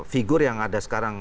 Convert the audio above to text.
figur yang ada sekarang